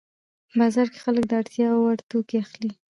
بازار کې خلک د اړتیا وړ توکي اخلي